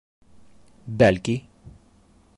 Бәлки.